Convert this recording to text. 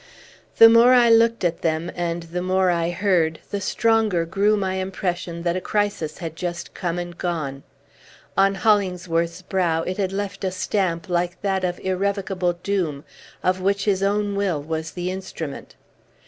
The more I looked at them, and the more I heard, the stronger grew my impression that a crisis had just come and gone. On Hollingsworth's brow it had left a stamp like that of irrevocable doom, of which his own will was the instrument.